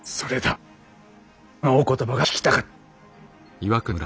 そのお言葉が聞きたかった！